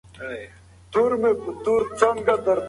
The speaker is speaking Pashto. موږ باید د کلي د اوبو د وېش په اړه پاملرنه وکړو.